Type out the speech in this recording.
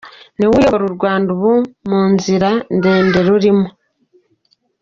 Niwe uyoboye u Rwanda ubu mu nzira ndende rurimo.